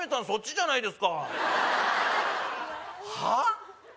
そっちじゃないですかはあ？